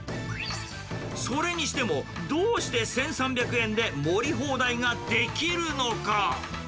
それにしてもどうして１３００円で盛り放題ができるのか。